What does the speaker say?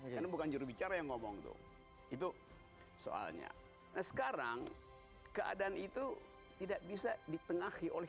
karena bukan jurubicara yang ngomong tuh itu soalnya nah sekarang keadaan itu tidak bisa ditengahi oleh